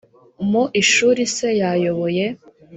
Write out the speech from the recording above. mu ishuri se yayoboye,